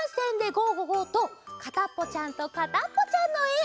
ゴ・ゴー！」と「かたっぽちゃんとかたっぽちゃん」のえ。